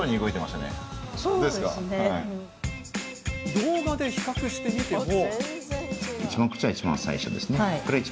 動画で比較してみても。